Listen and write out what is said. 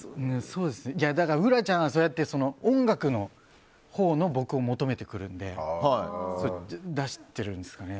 だからウラちゃんは音楽のほうの僕を求めてくるんで出してるんですよね。